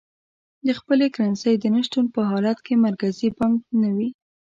د خپلې کرنسۍ د نه شتون په حالت کې مرکزي بانک نه وي.